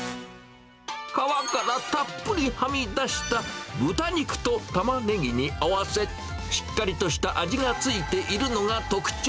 皮からたっぷりはみ出した豚肉とタマネギに合わせ、しっかりとした味がついているのが特徴。